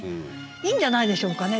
いいんじゃないでしょうかね。